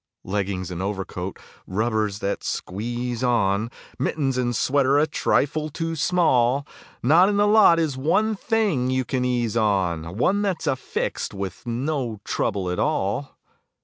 Leggings and overcoat, rubbers that squeeze on, Mittens and sweater a trifle too small; Not in the lot is one thing you can ease on, One that's affixed with no trouble at all.